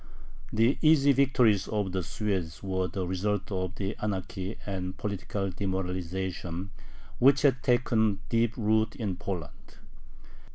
The easy victories of the Swedes were the result of the anarchy and political demoralization which had taken deep root in Poland.